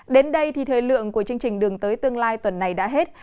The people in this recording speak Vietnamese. đến đây thì thời lượng của chương trình đường tới tương lai tuần này đã hết